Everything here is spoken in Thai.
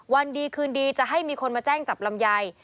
วันดีคืนดีจะให้มีคนมาแจ้งจับลำไย